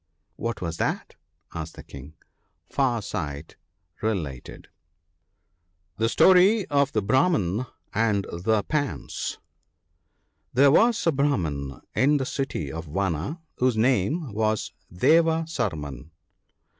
"What was that?" asked the King. Far sight re lated :— GOje £tarp of tfje 25taljman anb tlje $an£ HERE was a Brahman in the city of Vana, whose name was Deva Sarman.